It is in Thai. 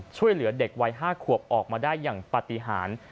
ช่วยเหลือเด็กวัย๕ขวบออกมาได้อย่างปฏิหาร